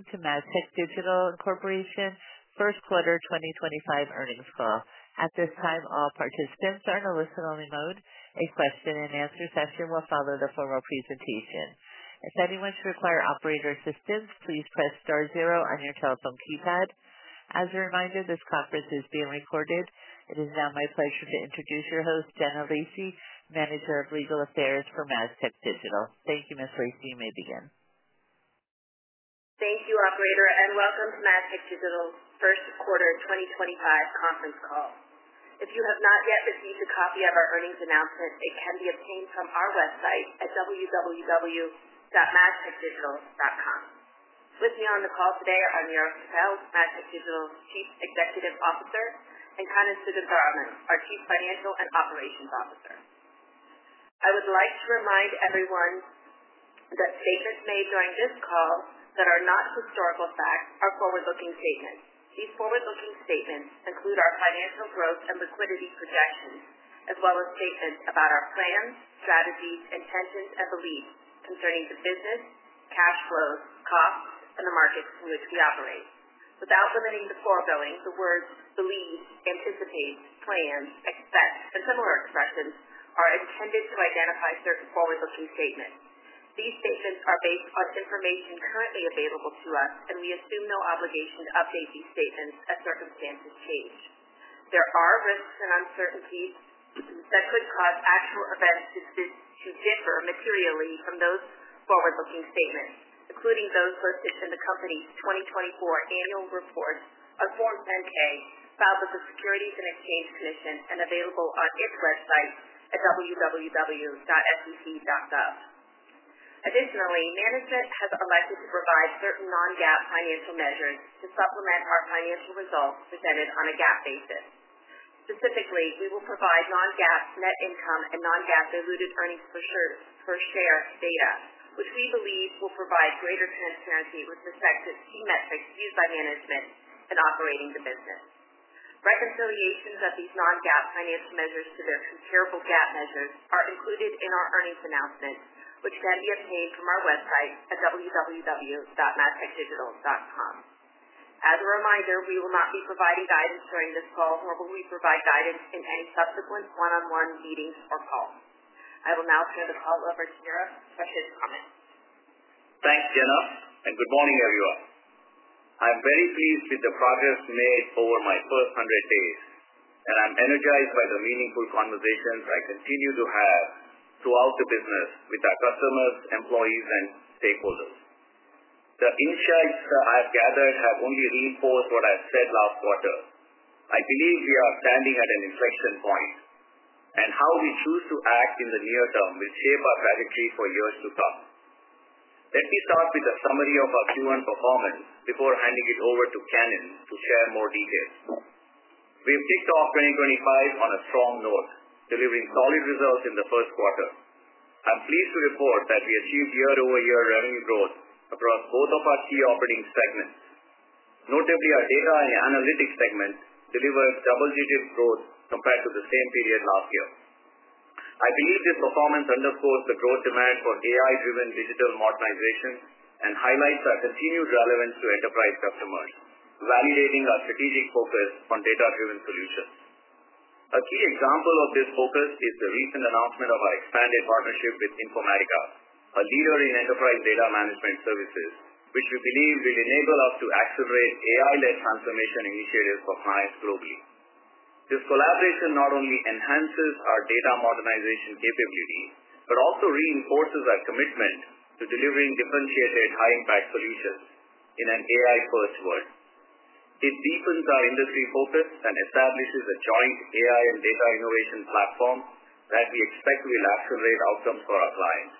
Welcome to Mastech Digital, first quarter 2025 earnings call. At this time, all participants are in a listen-only mode. A question-and-answer session will follow the formal presentation. If anyone should require operator assistance, please press star zero on your telephone keypad. As a reminder, this conference is being recorded. It is now my pleasure to introduce your host, Jenna Lacey, Manager of Legal Affairs for Mastech Digital. Thank you, Ms. Lacey. You may begin. Thank you, Operator, and welcome to Mastech Digital's first quarter 2025 conference call. If you have not yet received a copy of our earnings announcement, it can be obtained from our website at www.mastechdigital.com. With me on the call today are Nirav Patel, Mastech Digital's Chief Executive Officer, and Kannan Sugantharaman, our Chief Financial and Operations Officer. I would like to remind everyone that statements made during this call that are not historical facts are forward-looking statements. These forward-looking statements include our financial growth and liquidity projections, as well as statements about our plans, strategies, intentions, and beliefs concerning the business, cash flows, costs, and the markets in which we operate. Without limiting the foregoing, the words believe, anticipate, plan, expect, and similar expressions are intended to identify certain forward-looking statements. These statements are based on information currently available to us, and we assume no obligation to update these statements as circumstances change. There are risks and uncertainties that could cause actual events to differ materially from those forward-looking statements, including those listed in the company's 2024 annual report on Form 10-K, filed with the Securities and Exchange Commission and available on its website at www.sec.gov. Additionally, management has elected to provide certain non-GAAP financial measures to supplement our financial results presented on a GAAP basis. Specifically, we will provide non-GAAP net income and non-GAAP diluted earnings per share data, which we believe will provide greater transparency with respect to key metrics used by management in operating the business. Reconciliations of these non-GAAP financial measures to their comparable GAAP measures are included in our earnings announcements, which can be obtained from our website at www.mastechdigital.com. As a reminder, we will not be providing guidance during this call, nor will we provide guidance in any subsequent one-on-one meetings or calls. I will now turn the call over to Nirav for his comments. Thanks, Jenna, and good morning, everyone. I'm very pleased with the progress made over my first 100 days, and I'm energized by the meaningful conversations I continue to have throughout the business with our customers, employees, and stakeholders. The insights I have gathered have only reinforced what I said last quarter. I believe we are standing at an inflection point, and how we choose to act in the near term will shape our trajectory for years to come. Let me start with a summary of our Q1 performance before handing it over to Kannan to share more details. We've kicked off 2025 on a strong note, delivering solid results in the first quarter. I'm pleased to report that we achieved year-over-year revenue growth across both of our key operating segments, notably our data and analytics segment delivered double-digit growth compared to the same period last year. I believe this performance underscores the growth demand for AI-driven digital modernization and highlights our continued relevance to enterprise customers, validating our strategic focus on data-driven solutions. A key example of this focus is the recent announcement of our expanded partnership with Informatica, a leader in enterprise data management services, which we believe will enable us to accelerate AI-led transformation initiatives for clients globally. This collaboration not only enhances our data modernization capability but also reinforces our commitment to delivering differentiated, high-impact solutions in an AI-first world. It deepens our industry focus and establishes a joint AI and data innovation platform that we expect will accelerate outcomes for our clients.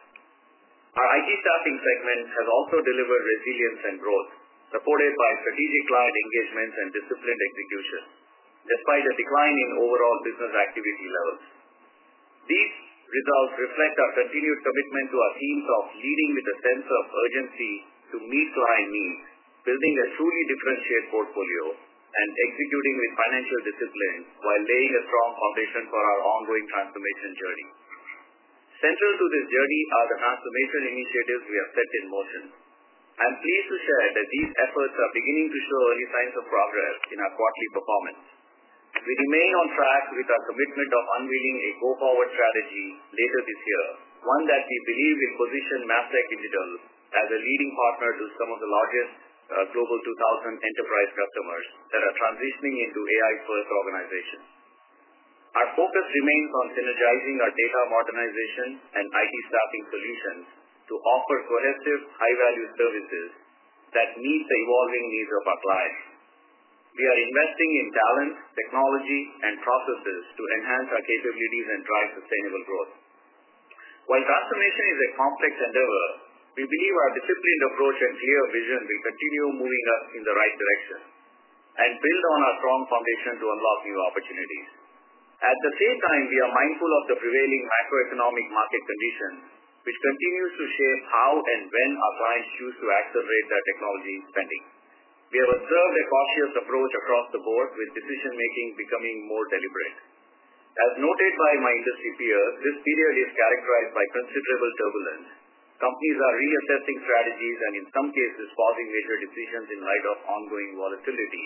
Our IT staffing segment has also delivered resilience and growth, supported by strategic client engagements and disciplined execution, despite a decline in overall business activity levels. These results reflect our continued commitment to our teams of leading with a sense of urgency to meet client needs, building a truly differentiated portfolio, and executing with financial discipline while laying a strong foundation for our ongoing transformation journey. Central to this journey are the transformation initiatives we have set in motion. I'm pleased to share that these efforts are beginning to show early signs of progress in our quarterly performance. We remain on track with our commitment of unveiling a go-forward strategy later this year, one that we believe will position Mastech Digital as a leading partner to some of the largest Global 2000 enterprise customers that are transitioning into AI-first organizations. Our focus remains on synergizing our data modernization and IT staffing solutions to offer cohesive, high-value services that meet the evolving needs of our clients. We are investing in talent, technology, and processes to enhance our capabilities and drive sustainable growth. While transformation is a complex endeavor, we believe our disciplined approach and clear vision will continue moving us in the right direction and build on our strong foundation to unlock new opportunities. At the same time, we are mindful of the prevailing macroeconomic market conditions, which continue to shape how and when our clients choose to accelerate their technology spending. We have observed a cautious approach across the board, with decision-making becoming more deliberate. As noted by my industry peers, this period is characterized by considerable turbulence. Companies are reassessing strategies and, in some cases, pausing major decisions in light of ongoing volatility,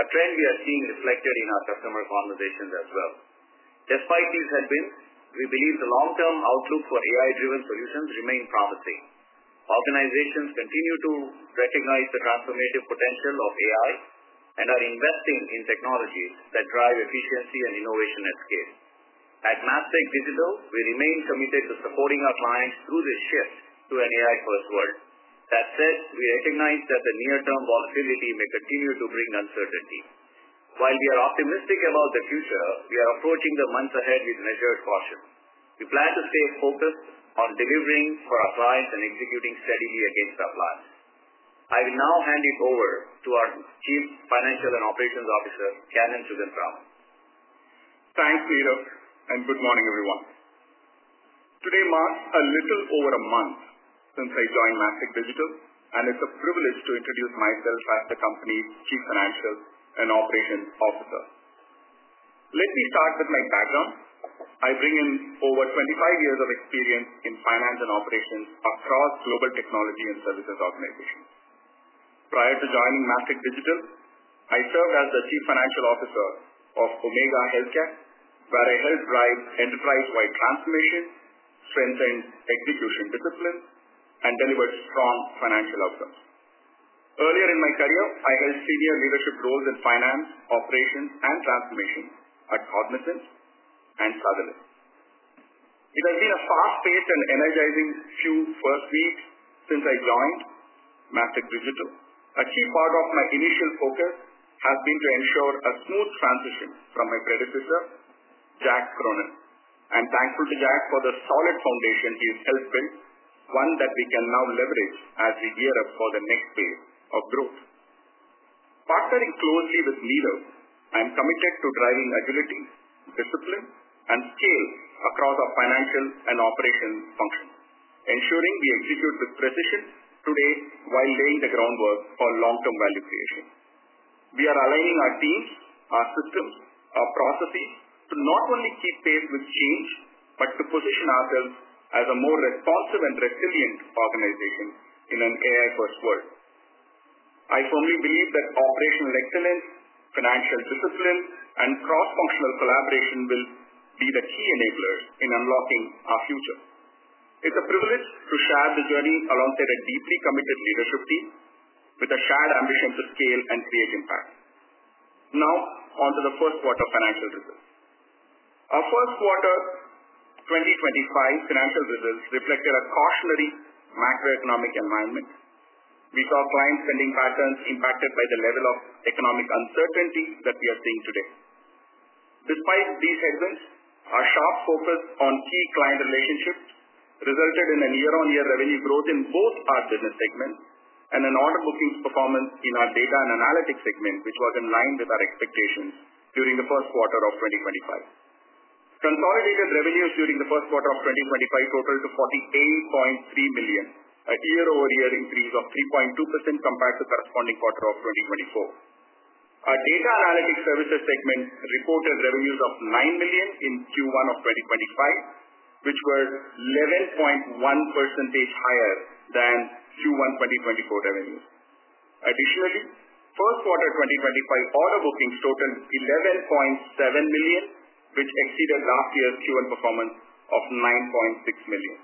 a trend we are seeing reflected in our customer conversations as well. Despite these headwinds, we believe the long-term outlook for AI-driven solutions remains promising. Organizations continue to recognize the transformative potential of AI and are investing in technologies that drive efficiency and innovation at scale. At Mastech Digital, we remain committed to supporting our clients through this shift to an AI-first world. That said, we recognize that the near-term volatility may continue to bring uncertainty. While we are optimistic about the future, we are approaching the months ahead with measured caution. We plan to stay focused on delivering for our clients and executing steadily against our plans. I will now hand it over to our Chief Financial and Operations Officer, Kannan Sugantharaman. Thanks, Nirav, and good morning, everyone. Today marks a little over a month since I joined Mastech Digital, and it's a privilege to introduce myself as the company's Chief Financial and Operations Officer. Let me start with my background. I bring in over 25 years of experience in finance and operations across global technology and services organizations. Prior to joining Mastech Digital, I served as the Chief Financial Officer of Omega Healthcare, where I helped drive enterprise-wide transformation, strengthened execution discipline, and delivered strong financial outcomes. Earlier in my career, I held senior leadership roles in finance, operations, and transformation at Cognizant and Sutherland. It has been a fast-paced and energizing few first weeks since I joined Mastech Digital. A key part of my initial focus has been to ensure a smooth transition from my predecessor, Jack Cronin, and thankful to Jack for the solid foundation he has helped build, one that we can now leverage as we gear up for the next phase of growth. Partnering closely with Nirav, I'm committed to driving agility, discipline, and scale across our financial and operations functions, ensuring we execute with precision today while laying the groundwork for long-term value creation. We are aligning our teams, our systems, our processes to not only keep pace with change but to position ourselves as a more responsive and resilient organization in an AI-first world. I firmly believe that operational excellence, financial discipline, and cross-functional collaboration will be the key enablers in unlocking our future. It's a privilege to share the journey alongside a deeply committed leadership team with a shared ambition to scale and create impact. Now, onto the first quarter financial results. Our first quarter 2025 financial results reflected a cautionary macroeconomic environment. We saw client spending patterns impacted by the level of economic uncertainty that we are seeing today. Despite these headwinds, our sharp focus on key client relationships resulted in a year-on-year revenue growth in both our business segments and an order booking performance in our data and analytics segment, which was in line with our expectations during the first quarter of 2025. Consolidated revenues during the first quarter of 2025 totaled $48.3 million, a year-over-year increase of 3.2% compared to the corresponding quarter of 2024. Our data and analytics services segment reported revenues of $9 million in Q1 of 2025, which were 11.1% higher than Q1 2024 revenues. Additionally, first quarter 2025 order bookings totaled $11.7 million, which exceeded last year's Q1 performance of $9.6 million.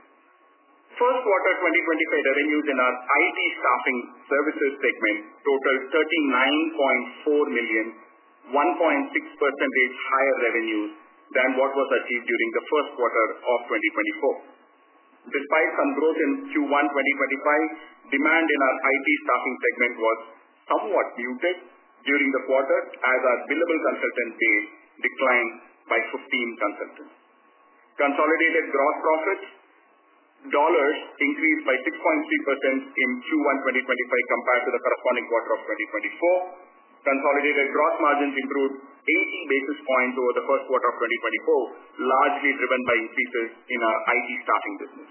First quarter 2025 revenues in our IT staffing services segment totaled $39.4 million, 1.6% higher revenues than what was achieved during the first quarter of 2024. Despite some growth in Q1 2025, demand in our IT staffing segment was somewhat muted during the quarter, as our billable consultant base declined by 15%. Consolidated gross profit dollars increased by 6.3% in Q1 2025 compared to the corresponding quarter of 2024. Consolidated gross margins improved 80 basis points over the first quarter of 2024, largely driven by increases in our IT staffing business.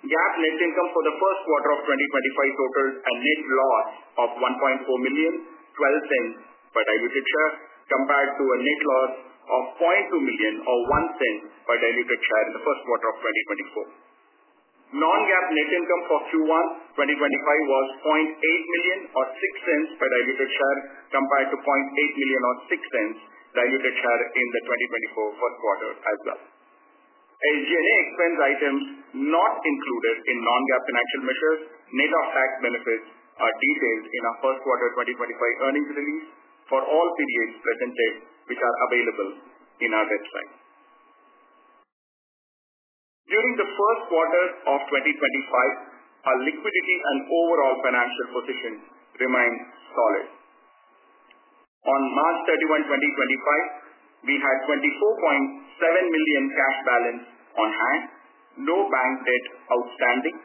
GAAP net income for the first quarter of 2025 totaled a net loss of $1.4 million, $0.12 per diluted share, compared to a net loss of $0.2 million, or $0.01 per diluted share in the first quarter of 2024. Non-GAAP net income for Q1 2025 was $0.8 million, or $0.06 per diluted share, compared to $0.8 million, or $0.06 per diluted share in the 2024 first quarter as well. As G&A expense items not included in non-GAAP financial measures, net of tax benefits, are detailed in our first quarter 2025 earnings release for all periods presented, which are available on our website. During the first quarter of 2025, our liquidity and overall financial positions remained solid. On March 31, 2025, we had $24.7 million cash balance on hand, no bank debt outstanding,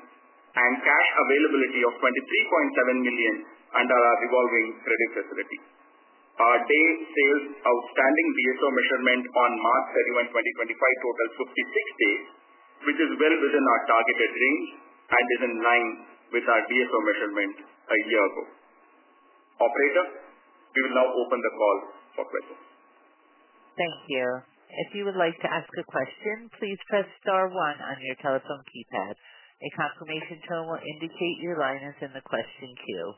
and cash availability of $23.7 million under our revolving credit facility. Our day sales outstanding DSO measurement on March 31, 2025, totaled 56 days, which is well within our targeted range and is in line with our DSO measurement a year ago. Operator, we will now open the call for questions. Thank you. If you would like to ask a question, please press star one on your telephone keypad. A confirmation tone will indicate your line is in the question queue.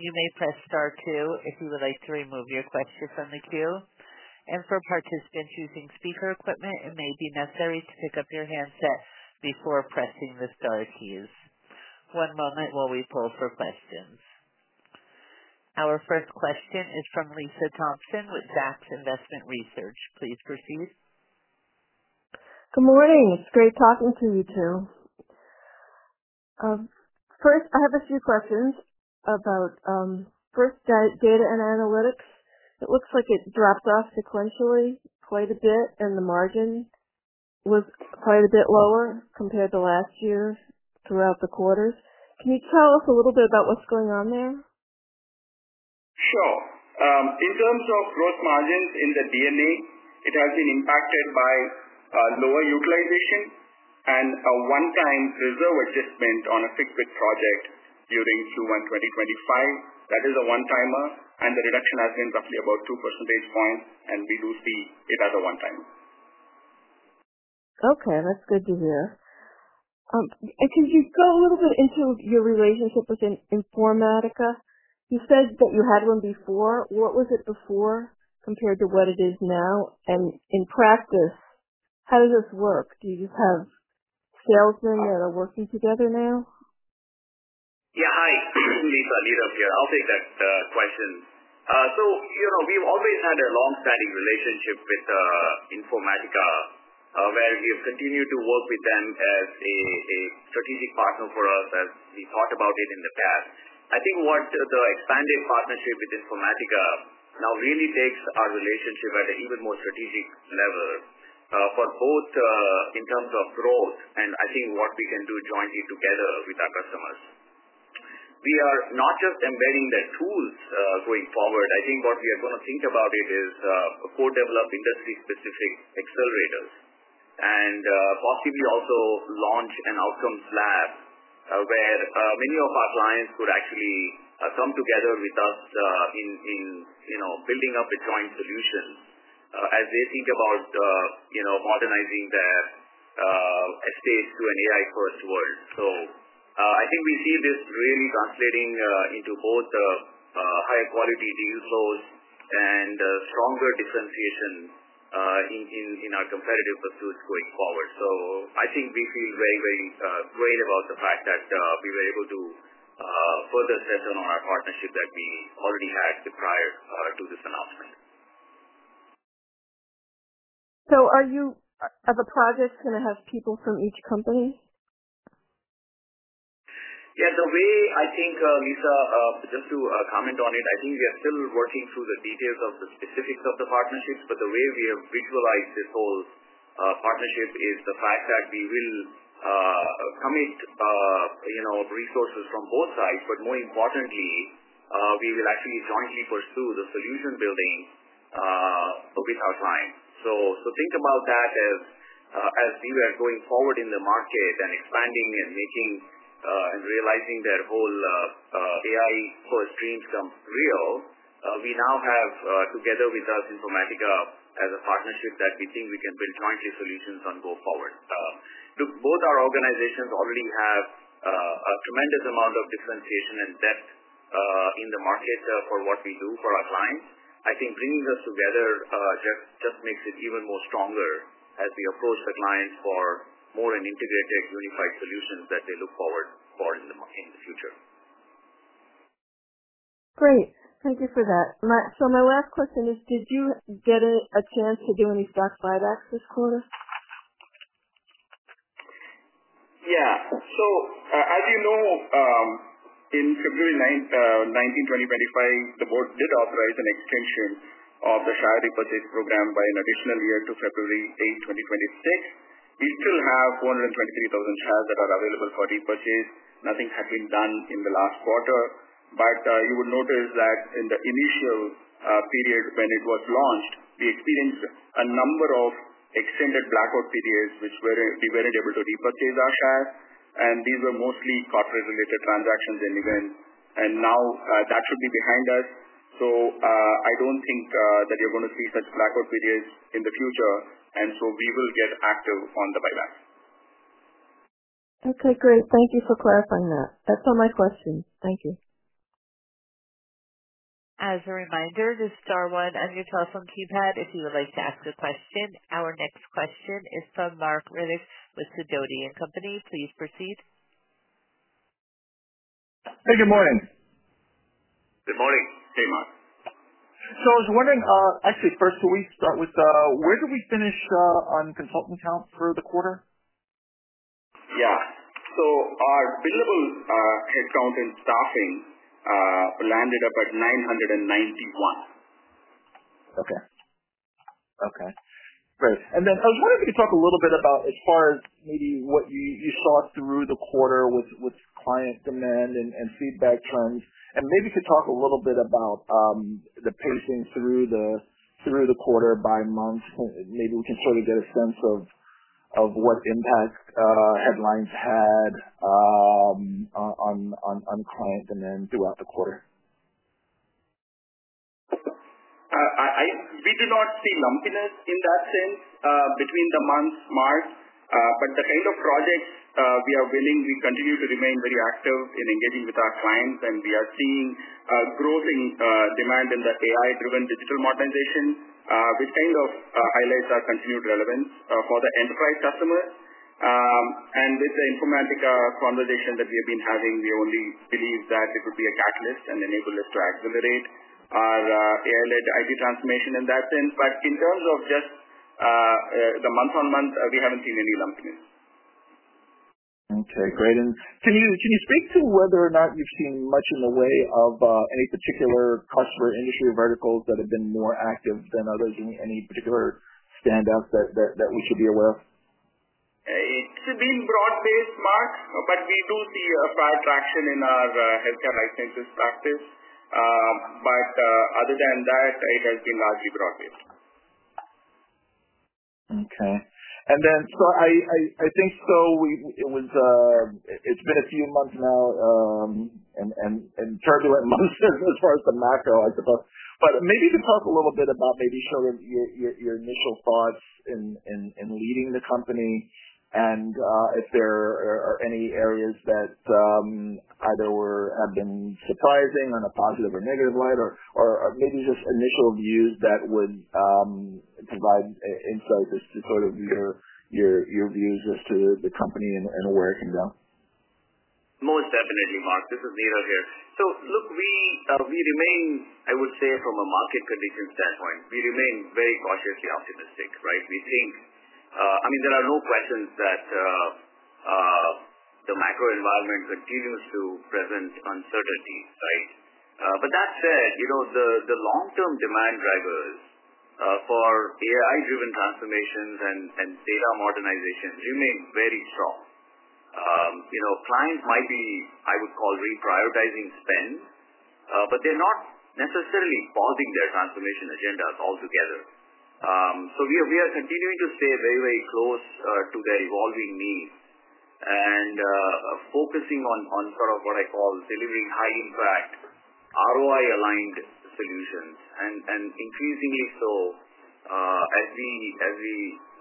You may press star two if you would like to remove your question from the queue. For participants using speaker equipment, it may be necessary to pick up your handset before pressing the star keys. One moment while we pull for questions. Our first question is from Lisa Thompson with Zacks Investment Research. Please proceed. Good morning. It's great talking to you two. First, I have a few questions about first data and analytics. It looks like it dropped off sequentially quite a bit, and the margin was quite a bit lower compared to last year throughout the quarters. Can you tell us a little bit about what's going on there? Sure. In terms of gross margins in the DMA, it has been impacted by lower utilization and a one-time reserve adjustment on a fixed-bid project during Q1 2025. That is a one-timer, and the reduction has been roughly about 2 percentage points, and we do see it as a one-timer. Okay. That's good to hear. Can you go a little bit into your relationship with Informatica? You said that you had one before. What was it before compared to what it is now? In practice, how does this work? Do you just have salesmen that are working together now? Yeah. Hi. Lisa, Nirav here. I'll take that question. We've always had a long-standing relationship with Informatica, where we have continued to work with them as a strategic partner for us, as we thought about it in the past. I think what the expanded partnership with Informatica now really takes our relationship to an even more strategic level for both in terms of growth and, I think, what we can do jointly together with our customers. We are not just embedding the tools going forward. I think what we are going to think about is co-develop industry-specific accelerators and possibly also launch an outcome slab where many of our clients could actually come together with us in building up a joint solution as they think about modernizing their estates to an AI-first world. I think we see this really translating into both higher quality deal flows and stronger differentiation in our competitive pursuits going forward. I think we feel very, very great about the fact that we were able to further strengthen our partnership that we already had prior to this announcement. Are you have a project going to have people from each company? Yeah. The way I think, Lisa, just to comment on it, I think we are still working through the details of the specifics of the partnerships, but the way we have visualized this whole partnership is the fact that we will commit resources from both sides, but more importantly, we will actually jointly pursue the solution building with our clients. Think about that as we are going forward in the market and expanding and making and realizing their whole AI-first dreams come real. We now have, together with us, Informatica as a partnership that we think we can build jointly solutions on go forward. Both our organizations already have a tremendous amount of differentiation and depth in the market for what we do for our clients. I think bringing us together just makes it even more stronger as we approach the clients for more and integrated unified solutions that they look forward for in the future. Great. Thank you for that. My last question is, did you get a chance to do any stock buybacks this quarter? Yeah. As you know, in February 19, 2025, the board did authorize an extension of the share repurchase program by an additional year to February 8, 2026. We still have 423,000 shares that are available for repurchase. Nothing had been done in the last quarter, but you would notice that in the initial period when it was launched, we experienced a number of extended blackout periods which we were not able to repurchase our shares, and these were mostly corporate-related transactions and events. Now that should be behind us. I do not think that you are going to see such blackout periods in the future, and we will get active on the buybacks. Okay. Great. Thank you for clarifying that. That's all my questions. Thank you. As a reminder, just star one on your telephone keypad if you would like to ask a question. Our next question is from Marc Riddick with Sidoti and Company. Please proceed. Hey, good morning. Good morning. Hey, Marc. I was wondering, actually, first, should we start with where did we finish on consultant count for the quarter? Yeah. Our billable headcount in staffing landed up at 991. Okay. Okay. Great. I was wondering if you could talk a little bit about as far as maybe what you saw through the quarter with client demand and feedback trends, and maybe you could talk a little bit about the pacing through the quarter by month. Maybe we can sort of get a sense of what impact headlines had on client demand throughout the quarter. We do not see lumpiness in that sense between the months, March, but the kind of projects we are willing, we continue to remain very active in engaging with our clients, and we are seeing growth in demand in the AI-driven digital modernization, which kind of highlights our continued relevance for the enterprise customers. With the Informatica conversation that we have been having, we only believe that it would be a catalyst and enable us to accelerate our AI-led IT transformation in that sense. In terms of just the month-on-month, we haven't seen any lumpiness. Okay. Great. Can you speak to whether or not you've seen much in the way of any particular customer industry verticals that have been more active than others? Any particular standouts that we should be aware of? It's been broad-based, Marc, but we do see a fair traction in our healthcare licenses practice. Other than that, it has been largely broad-based. Okay. I think it's been a few months now and turbulent months as far as the macro, I suppose. Maybe you could talk a little bit about showing your initial thoughts in leading the company and if there are any areas that either have been surprising on a positive or negative light or maybe just initial views that would provide insight as to your views as to the company and where it can go. Most definitely, Marc. This is Nirav here. Look, we remain, I would say, from a market condition standpoint, we remain very cautiously optimistic, right? I mean, there are no questions that the macro environment continues to present uncertainty, right? That said, the long-term demand drivers for AI-driven transformations and data modernization remain very strong. Clients might be, I would call, reprioritizing spend, but they're not necessarily pausing their transformation agendas altogether. We are continuing to stay very, very close to their evolving needs and focusing on sort of what I call delivering high-impact ROI-aligned solutions. Increasingly so, as we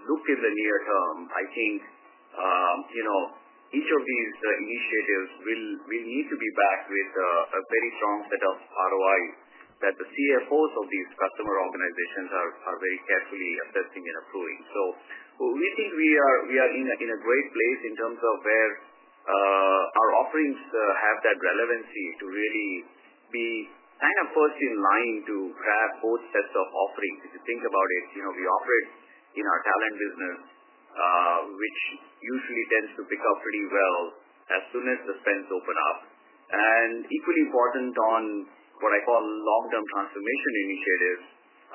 look in the near term, I think each of these initiatives will need to be backed with a very strong set of ROI that the CFOs of these customer organizations are very carefully assessing and approving. We think we are in a great place in terms of where our offerings have that relevancy to really be kind of first in line to grab both sets of offerings. If you think about it, we operate in our talent business, which usually tends to pick up pretty well as soon as the spends open up. Equally important on what I call long-term transformation initiatives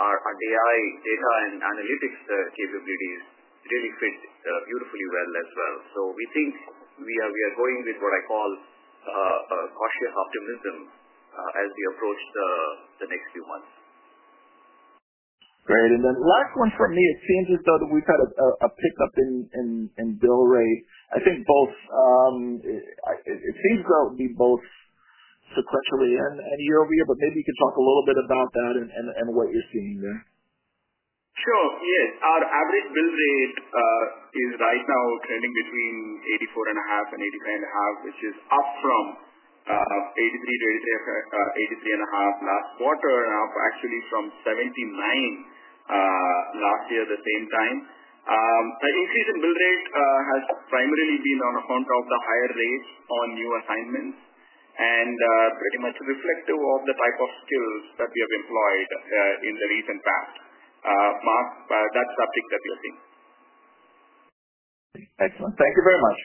are our AI data and analytics capabilities really fit beautifully well as well. We think we are going with what I call cautious optimism as we approach the next few months. Great. Last one from me. It seems as though that we've had a pickup in bill rate. I think both it seems that it will be both sequentially and year over year, but maybe you could talk a little bit about that and what you're seeing there. Sure. Yes. Our average bill rate is right now trending between $84.5 and $85.5, which is up from $83.5 last quarter and up actually from $79 last year at the same time. The increase in bill rate has primarily been on account of the higher rates on new assignments and pretty much reflective of the type of skills that we have employed in the recent past. Marc, that's the uptick that we are seeing. Excellent. Thank you very much.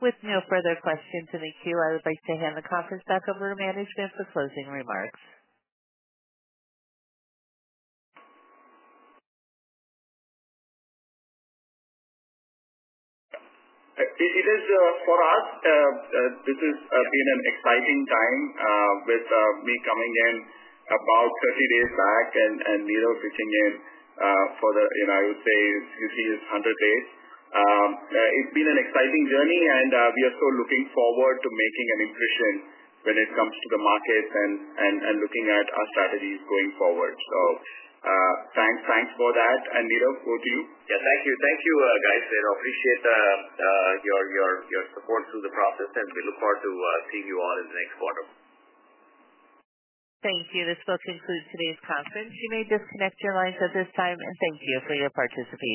With no further questions in the queue, I would like to hand the conference back over to management for closing remarks. It is for us. This has been an exciting time with me coming in about 30 days back and Nirav pitching in for the, I would say, you see it's 100 days. It's been an exciting journey, and we are so looking forward to making an impression when it comes to the markets and looking at our strategies going forward. Thanks for that. Nirav, over to you. Yeah. Thank you. Thank you, guys. I appreciate your support through the process, and we look forward to seeing you all in the next quarter. Thank you. This will conclude today's conference. You may disconnect your lines at this time, and thank you for your participation.